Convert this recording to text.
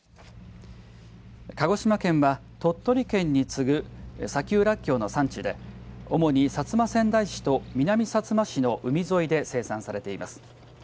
鹿児島県は鳥取県に次ぐ砂丘らっきょうの産地で主に薩摩川内市と南さつま市の海沿いで生産されています。